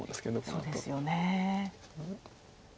そうですよね。